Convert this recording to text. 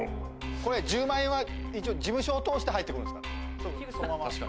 これ、１０万円は一応、事務所を通して入ってくるんですか？